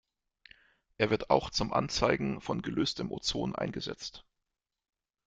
Er wird auch zum Anzeigen von gelöstem Ozon eingesetzt.